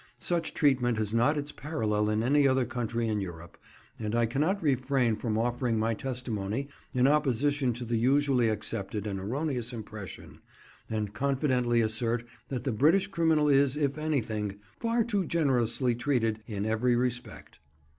Such treatment has not its parallel in any other country in Europe, and I cannot refrain from offering my testimony in opposition to the usually accepted and erroneous impression, and confidently assert that the British criminal is, if anything, far too generously treated in every respect.